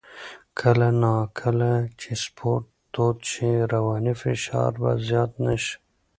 کله نا کله چې سپورت دود شي، رواني فشار به زیات نه شي.